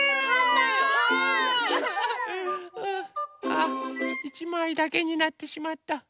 あ１まいだけになってしまった。